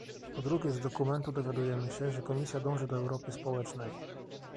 Po drugie, z dokumentu dowiadujemy się, że Komisja dąży do Europy społecznej